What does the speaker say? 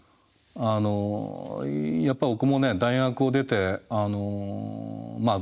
あのやっぱり僕もね大学を出てまあ